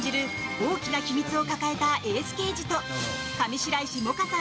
大きな秘密を抱えたエース刑事と上白石萌歌さん